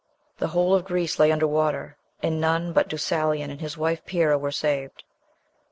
The whole of Greece lay under water, and none but Deucalion and his wife Pyrrha were saved."